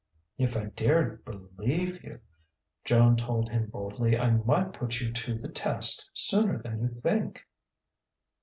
"If I dared believe you," Joan told him boldly, "I might put you to the test sooner than you think."